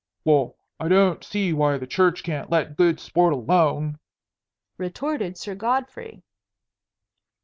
"Well, I don't see why the Church can't let good sport alone," retorted Sir Godfrey.